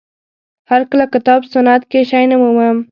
هر کله کتاب سنت کې شی نه مومم